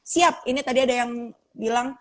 siap ini tadi ada yang bilang